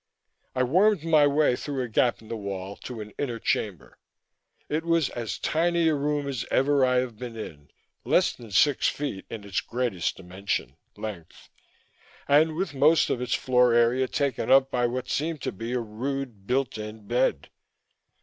I wormed my way through a gap in the wall to an inner chamber. It was as tiny a room as ever I have been in; less than six feet in its greatest dimension length and with most of its floor area taken up by what seemed to be a rude built in bed.